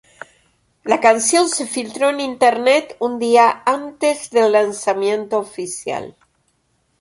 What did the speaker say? La canción se filtró en Internet un día antes del lanzamiento oficial.